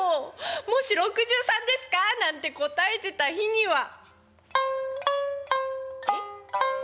もし「６３ですか？」なんて答えてた日には「え？